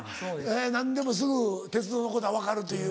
何でもすぐ鉄道のことは分かるという。